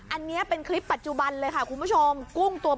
อันนี้เป็นคลิปปัจจุบันเลยค่ะ